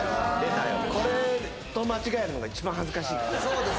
これと間違えるのが一番恥ずかしいからね